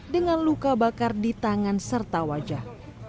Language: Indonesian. dengan luka bakar di tangan serta wajah